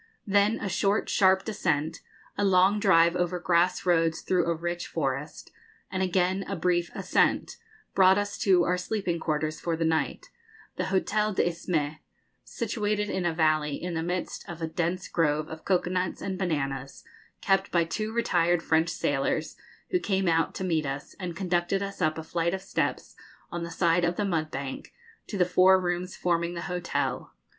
Then a short sharp descent, a long drive over grass roads through a rich forest, and again a brief ascent, brought us to our sleeping quarters for the night, the Hotel de l'Isthme, situated in a valley in the midst of a dense grove of cocoa nuts and bananas, kept by two retired French sailors, who came out to meet us, and conducted us up a flight of steps on the side of a mud bank to the four rooms forming the hotel.